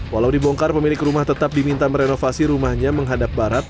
walau dibongkar pemilik rumah tetap diminta merenovasi rumahnya menghadap barat